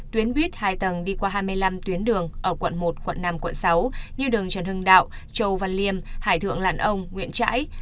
tuyến buýt hai tầng đi qua hai mươi năm tuyến đường ở quận một quận năm quận sáu như đường trần hưng đạo châu văn liêm hải thượng lãn ông nguyễn trãi